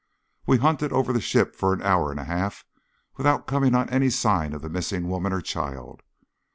We hunted over the ship for an hour and a half without coming on any sign of the missing woman or child.